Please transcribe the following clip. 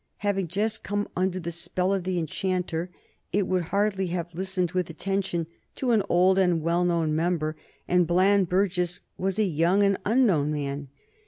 Having just come under "the spell of the enchanter," it would hardly have listened with attention to an old and well known member, and Bland Burges was a young and unknown man.